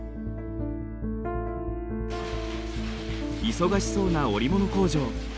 忙しそうな織物工場。